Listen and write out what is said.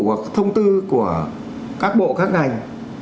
của thông tư của các bộ các ngành